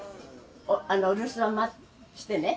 お留守番してね。